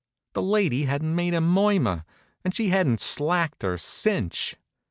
The lady hadn't made a murmur, and she hadn't slacked her clinch.